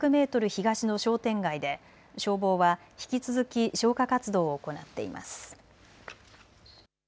東の商店街で消防は引き続き消火活動を行っています。